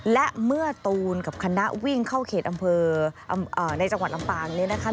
และเมื่อตูนกับคณะวิ่งเข้าเขตอำเภอในจังหวัดลำปางเนี่ยนะคะ